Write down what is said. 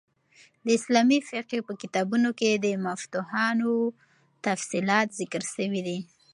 د اسلامي فقهي په کتابو کښي د مفتوحانو تفصیلات ذکر سوي دي.